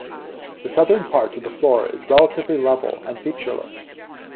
The southern part of the floor is relatively level and featureless.